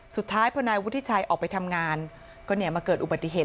สุดท้ายพอนายวุฒิชัยออกไปทำงานก็เนี่ยมาเกิดอุบัติเหตุ